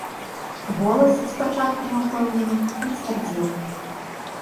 Голас, спачатку няўпэўнены, пацвярдзеў.